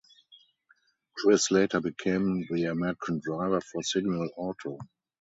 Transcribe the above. Chris later became the American Driver for Signal Auto.